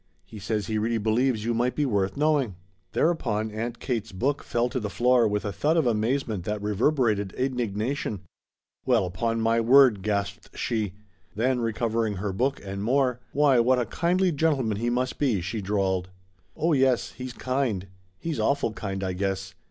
He says he really believes you might be worth knowing." Thereupon Aunt Kate's book fell to the floor with a thud of amazement that reverberated indignation. "Well upon my word!" gasped she. Then, recovering her book and more "Why what a kindly gentleman he must be," she drawled. "Oh yes, he's kind. He's awful kind, I guess.